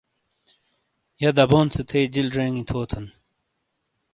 یہہ دبون سے تھیئ جیل زینگی تھوتھن